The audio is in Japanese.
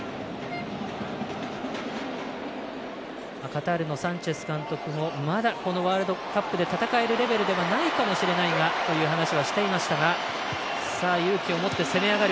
カタールのサンチェス監督もまだ、このワールドカップで戦えるレベルではないかもしれないがという話はしていましたが。